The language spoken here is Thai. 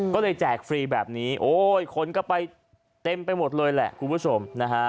ก็เลยแจกฟรีแบบนี้โอ้ยคนก็ไปเต็มไปหมดเลยแหละคุณผู้ชมนะฮะ